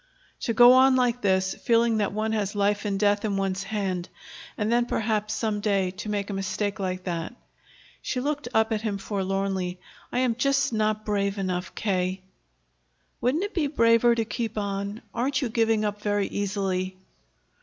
"To go on like this, feeling that one has life and death in one's hand, and then perhaps some day to make a mistake like that!" She looked up at him forlornly. "I am just not brave enough, K." "Wouldn't it be braver to keep on? Aren't you giving up very easily?"